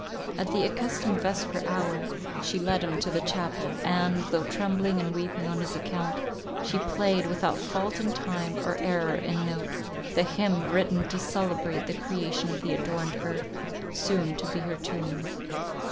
At the accustomed vesper hour, she led him to the chapel; and, though trembling and weeping on his account, she played, without fault in time, or error in note, the hymn written to celebrate the creation of the adorned earth, soon to be her tomb.